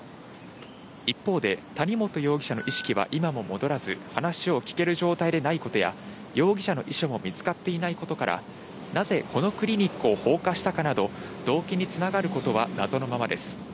一方で谷本容疑者の意識は今も戻らず話を聞ける状態でないことや、容疑者の遺書も見つかっていないことから、なぜこのクリニックを放火したのかなど、動機に繋がることは謎のままです。